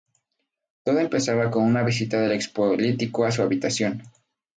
Todo empezaba con una visita del expolítico a su habitación.